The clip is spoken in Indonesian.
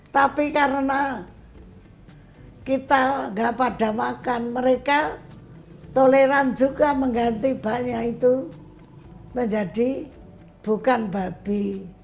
tapi karena kita nggak pada makan mereka toleran juga mengganti baknya itu menjadi bukan babi